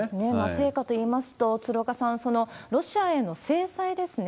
成果といいますと、鶴岡さん、そのロシアへの制裁ですね。